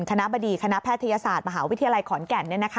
คณะบดีคณะแพทยศาสตร์มหาวิทยาลัยขอนแก่น